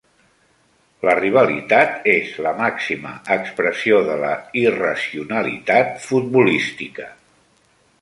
La rivalitat és la màxima expressió de la irracionalitat futbolística